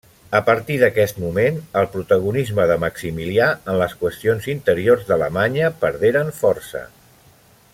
A partir d'aquest moment, el protagonisme de Maximilià en les qüestions interiors d'Alemanya perderen força.